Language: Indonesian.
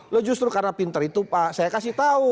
lo justru karena pinter itu pak saya kasih tahu